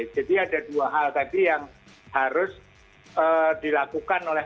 jadi ada dua hal tadi yang harus dilakukan oleh